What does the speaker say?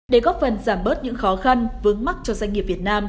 để góp phần giảm bớt những khó khăn vướng mắt cho doanh nghiệp việt nam